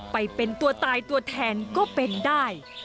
ไปเป็นตัวตายตัวแทนก็เป็นได้